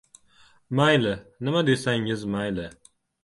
— Mayli, nima desangiz mayli.